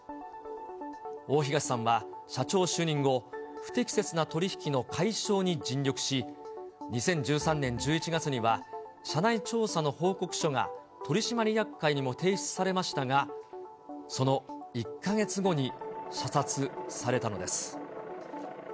大東さんは社長就任後、不適切な取り引きの解消に尽力し、２０１３年１１月には、社内調査の報告書が取締役会にも提出されましたが、その１か月後に射殺されたのです。